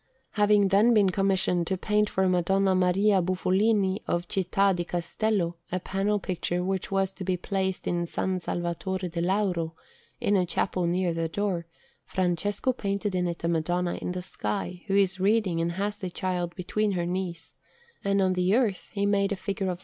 Having then been commissioned to paint for Madonna Maria Bufolini of Città di Castello a panel picture which was to be placed in S. Salvatore del Lauro, in a chapel near the door, Francesco painted in it a Madonna in the sky, who is reading and has the Child between her knees, and on the earth he made a figure of S.